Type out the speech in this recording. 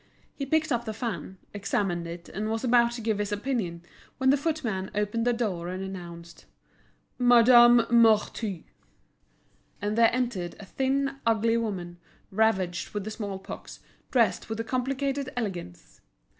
He picked up the fan, examined it, and was about to give his opinion, when the footman opened the door and announced: "Madame Marty." And there entered a thin, ugly woman, ravaged with the small pox, dressed with a complicated elegance.